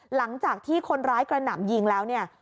หลังจากที่คนร้ายกระหน่ำยิงแล้วเนี่ย